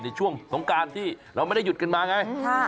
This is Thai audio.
ในช่วงสงการที่เราไม่ได้หยุดกันมาไง